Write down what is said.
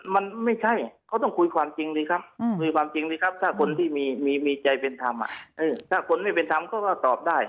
มันไม่ใช่เขาต้องคุยความจริงสิครับคุยความจริงสิครับถ้าคนที่มีใจเป็นธรรมถ้าคนไม่เป็นธรรมเขาก็ตอบได้